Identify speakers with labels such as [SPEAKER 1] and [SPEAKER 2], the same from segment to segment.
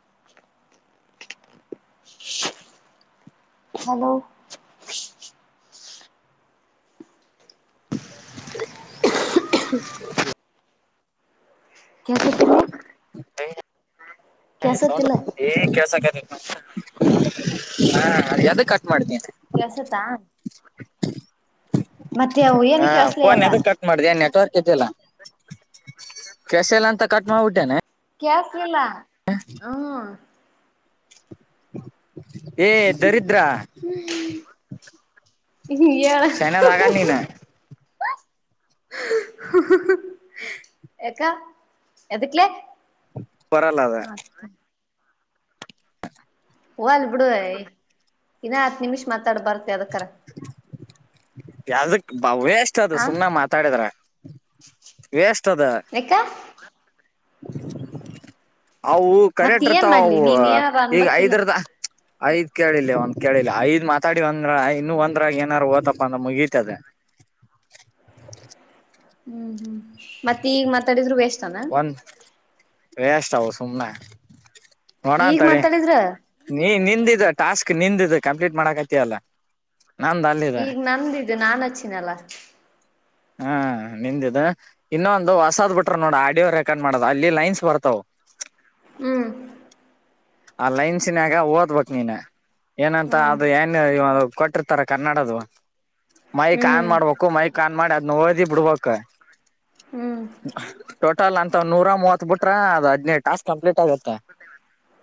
[SPEAKER 1] [unintelligible] Hello
[SPEAKER 2] ಹ
[SPEAKER 1] ಕೆಸತಿಲ್ಲಿ
[SPEAKER 2] ಹ ಹ ಸೌ
[SPEAKER 1] ಕೆಸತಿಲ್ಲ
[SPEAKER 2] ಏ ಕೆಲ್ಸಕ್ ಹ ಎದ ಕಟ್ ಮಾಡತೀಿ
[SPEAKER 1] ಕೆಳ್ಸತ್ತಾ ಮತ್ತೆ ಅವು ಏನ್
[SPEAKER 2] ಹಾ
[SPEAKER 1] ಕೆಳ್ಸ್ಲ
[SPEAKER 2] ಫೋನ್
[SPEAKER 1] ಅಲ್ಲ
[SPEAKER 2] ಎದಕ್ ಕಟ್ ಮಾಡಿದೆ ನೆಟ್ವರ್ಕ್ ತಿಲ್ಲ ಕೆಶ ಎಲ್ ಅಂತ ಕಟ್ ಮಾಡ್ಬಿಟ್ಟೇನೆ
[SPEAKER 1] ಕ್ಯಾಸ್ಲಲ್ಲ ಹ್ಮ್
[SPEAKER 2] ಏ ದರಿದ್ರ
[SPEAKER 1] ಇ ಹೇಳಾ
[SPEAKER 2] ಚೈನಾ ನಾಗ ನೀನ
[SPEAKER 1] ಎಕ್ಕ ಎದಕ್ಕಲ
[SPEAKER 2] ಕೊರಲ್ಲ ಅದ
[SPEAKER 1] ಹಓ ಅಲ್ ಬಿಡು ಇನ್ನ ಹತ್ತು ನಿಮಿಷ್ ಮಾತಾಡ್ ಬರ್ತ್ತ ಅದಕ್ಕ
[SPEAKER 2] ಯಾವ್ದಕ್ ಭವ್ಯಷ್ಟ ಅದು
[SPEAKER 1] ಹಾ
[SPEAKER 2] ಸುಮ್ನೆ ಮಾತಾಡಿದ್ರ ಎೇಷ್ಟ ಅದ
[SPEAKER 1] ಯಕ್ಕ
[SPEAKER 2] ಅವು
[SPEAKER 1] ಮತ್ ಏನ್
[SPEAKER 2] ಕರೆಟ್ರತಾವ
[SPEAKER 1] ಮಾಡ್ಲಿ
[SPEAKER 2] ಅವು
[SPEAKER 1] ನೀನ್ ಏನಾರ
[SPEAKER 2] ಈಗ
[SPEAKER 1] ಅನ್ಬೇಕಿಲ್ಲ
[SPEAKER 2] ಐದ್ರದ ಐದ್ ಕೇಳಿಲ್ಲ ಒಂದ್ ಕೇಳಿಲ್ಲ ಐದ್ ಮಾತಾಡಿ ಒಂದ್ರ ಇನ್ನು ಒಂದ್ರಾಗ ಏನಾರು ಓ್ತಪ್ಪ ಆಗಿತ್ತು ಅಂದ್ರ ಮುಗತು.
[SPEAKER 1] ಹ್ಮ್ ಹ್ಮ್ ಮತ್ತ ಈಗ ಮಾತಾಡಿದ್ರು ಎಷ್ಟ
[SPEAKER 2] ಒಂದ ವೆಸ್ಟ್ ಹ ಸುಮನೆ
[SPEAKER 1] ಈಗ
[SPEAKER 2] ನೋಡನತಡಿ
[SPEAKER 1] ಮಾತಾಡಿದ್ರ
[SPEAKER 2] ನೀ ನಿಂದಿದ ಟಾಸ್ಕ್ ನಿಂದಿದ ಕಂಪ್ಲೀಟ್ ಮಾಡಕತಿಯಲ್ಲ
[SPEAKER 1] ಈಗ್ ನಂದಿದ್ದು ನನಾಚ್ಚಿನಲ್ಲ
[SPEAKER 2] ಹಾ ನಿಂದಿದ ಇನ್ನೊಂದು ಹೊಸಾದ್ ಬಿಟರು ನೋಡ ಆಡಿಯೋ ರೆಕಾರ್ಡ್ ಮಾಡೋದು ಅಲ್ಲಿ ಲೈನ್ಸ್ ಬರ್ತಾವವು
[SPEAKER 1] ಹ್ಮ್
[SPEAKER 2] ಆ ಲೈನ್ಸಿನಾಗ ಓದ್ಬೇಕಕ್ ನೀನ್ ಏನಂತ
[SPEAKER 1] ಹ್ಮ್
[SPEAKER 2] ಅದು ಏನ್ ಕೊಟ್ಟಿರ್ತಾರ ಕನ್ನಡದು ಮೈಕ್
[SPEAKER 1] ಹ್ಮ್
[SPEAKER 2] ಆನ್ ಮಾಡ್ಬೇಕು ಮೈಕ್ ಆನ್ ಮಾಡಿ ಅ ಓದಿ ಬಿಡಬೇಕು
[SPEAKER 1] ಹ್ಮ್
[SPEAKER 2] ಅಂತ ಒಂದ ನೂರ ಮೂವತ್ ಬಿಟ್ರ ಅದು ಹದಿನೈದು ಟಾಸ್ಕ್ ಕಂಪ್ಲೀಟ್ ಆಗುತ್ತೆ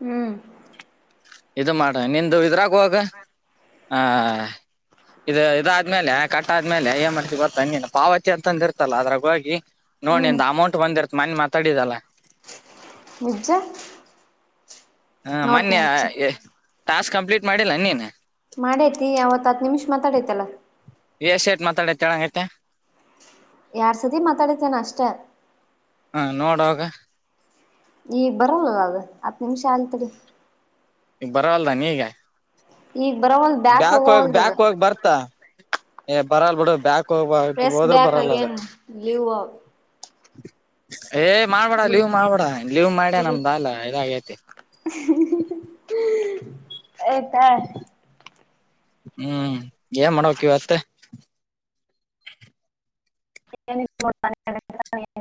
[SPEAKER 1] ಹ್ಮ್
[SPEAKER 2] ಇದು ಮಾಡ ನಿಂದು ಇದ್ರಾಗುವಾಗ ಹ ಇದು ಇದಾದ್ಮೇಲೆ ಕಟ್ ಆದ್ಮೇಲೆ ಏ ಮಾಡ್ತಿ ಗೊತ್ತ ನೀನ್ನನು ಪಾವತಿ ಅಂತಂದ ಇರ್ತಲ್ಲ ಅದ್ರಾಗ ಹೋಗಿ
[SPEAKER 1] ಹ್ಮ್
[SPEAKER 2] ನೋಡಿಂದ ಅಮೌಂಟ್ ಒಂದಿರ್ತತ್ ಮನ್ನೆ ಮಾತಾಡಿದಲ್ಲಾ
[SPEAKER 1] ನಿಜ
[SPEAKER 2] ಹಾ
[SPEAKER 1] ನೋಡ್ತನಿ
[SPEAKER 2] ಮೊನ್ನೆ
[SPEAKER 1] ಇರ್ಚ
[SPEAKER 2] ಟಾಸ್ಕ್ ಕಂಪ್ಲೀಟ್ ಮಾಡಿಲ್ಲ ನೀನ
[SPEAKER 1] ಮಾಡೇತಿ ಯಾವತ್ತು ಹತ್ತು ನಿಮಿಷ ಮಾತಾಡೈತಲ್ಲಾ
[SPEAKER 2] ಎಸ್ೇಟ್ ಮಾತಾಡೇಳೋಂಗೈತೆ
[SPEAKER 1] ಎರೆಡು ಸತಿ ಮಾತಾಡಿತೇನೆ ಅಷ್ಟೇ
[SPEAKER 2] ಹಾಂ ನೋಡೊಗ
[SPEAKER 1] ಈ ಬರಲ್ಲಲ್ಲ ಅದು ಹತ್ ನಿಮಿಷ ಹಂತ್ನಿರಿ
[SPEAKER 2] ಈಗ ಬರಲ್ಲಲ್ದ ನೀ ಈಗ
[SPEAKER 1] ಈಗ ಬರವಲ್ತು
[SPEAKER 2] ಬ್ಯಾಕ್ ಹೋಗ ಬ್ಯಾಕ್ ಹೋಗಿ ಬರ್ತ ಏ ಬರಲ್ ಬಿಡ ಬ್ಯಾಕ್ ಕೋಗಬತು
[SPEAKER 1] ಪ್ರೆಸ್
[SPEAKER 2] ಹೋದ್ರ
[SPEAKER 1] ಬ್ಯಾಕ್
[SPEAKER 2] ಬರಲ್ಲ ಅದ
[SPEAKER 1] ಅಗೇನ್ ಲೀವ್
[SPEAKER 2] ಏ್ ಮಾಡ್ಬೇಡ ಲೀವ್ ಮಾಡ್ಬೇಡ ಲೀವ್ ಮಾಡ್ಯಾ ನಮ್ದ ಅಲ್ಲ ಇದಾಗೈತಿ
[SPEAKER 1] ಎ ಹಾ
[SPEAKER 2] ಹ್ಮ್ ಏನ್ ಮಾಡ್ಬೇಕಕ್ವತ್ತೆ
[SPEAKER 1] ಹೂ ಎ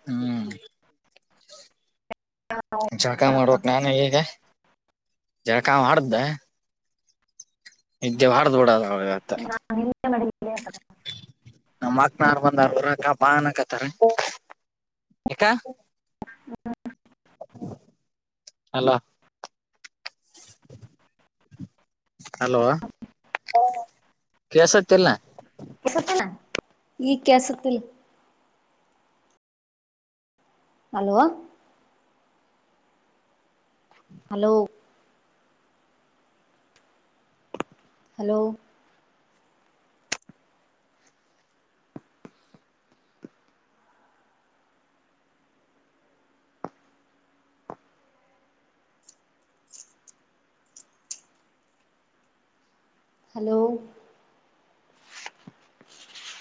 [SPEAKER 2] ಹ್ಮ
[SPEAKER 1] ಹಾ
[SPEAKER 2] ಜಳಕಾ ಮಾಡಬೇಕಕ್ ನಾನು ಹೀಗೆ ಜಳಕಾಯ ಮಾಡ್ದೆ ಇದಿದ್ದೆ ಬಾರ್ದ್ ಬಿಡ ಆ್ತ
[SPEAKER 1] ಡ
[SPEAKER 2] ನಮ್ಮ ಅಕ್ನಾರ್ ಬಂದ್ರ ಅ ಬಾನಕತಾರ ಕ
[SPEAKER 1] ಹ್ಮ
[SPEAKER 2] ಅಲ್ಲ ಹಲೋ ಕಸತ್ತಲ್ನಾ
[SPEAKER 1] ಸತ್ತಲ್ಲ ಈ ಕಸತ್ತಿಲ್ಲ ಹಲೋ ಹಲೋ ಹಲೋ ಹಲೋ